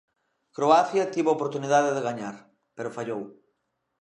Croacia tivo a oportunidade de gañar, pero fallou.